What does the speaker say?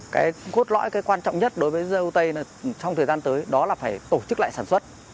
cái gốt lõi cái quan trọng nhất đối với dâu tây trong thời gian tới đó là phải tổ chức lại sản xuất